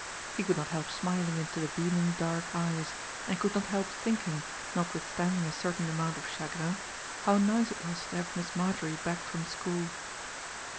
He could not help smiling into the beaming dark eyes, and could not help thinking, notwithstanding a certain amount of chagrin, how nice it was to have Miss Marjorie back from school.